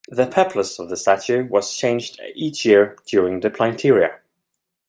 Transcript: The peplos of the statue was changed each year during the Plynteria.